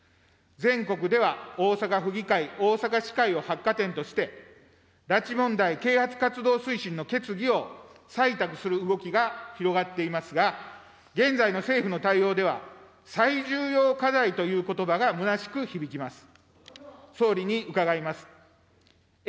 全国では大阪府議会、大阪しかいを発火点として、拉致問題啓発活動推進の決議を採択する動きが広がっていますが、現在の政府の対応では、最重要課題ということばがむなしく響きま